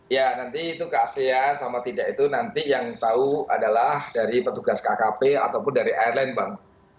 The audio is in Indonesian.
ya nanti itu ke asean sama tidak itu nanti yang tahu adalah dari petugas kkp ataupun dari airline bang